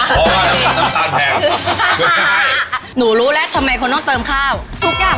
เพราะว่าน้ำตาลแพงหนูรู้แล้วทำไมคนต้องเติมข้าวทุกอย่าง